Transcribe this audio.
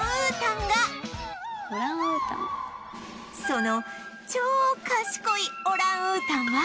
その超賢いオランウータンは